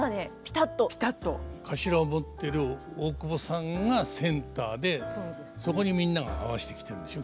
かしらを持ってる大久保さんがセンターでそこにみんなが合わせてきてるんでしょ。